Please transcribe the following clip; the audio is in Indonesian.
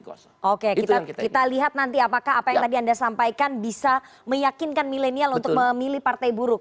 oke kita lihat nanti apakah apa yang tadi anda sampaikan bisa meyakinkan milenial untuk memilih partai buruh